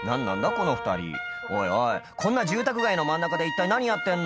この２人おいおいこんな住宅街の真ん中で一体何やってんの？